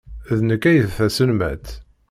D nekk ay d taselmadt.